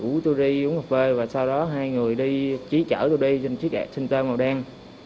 rủ tôi đi uống cà phê và sau đó hai người đi trí chở tôi đi trên chiếc xe xinh tơ màu đen